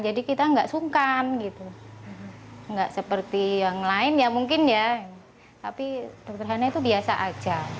jadi kita nggak sungkan gitu nggak seperti yang lain ya mungkin ya tapi dokter hana itu biasa aja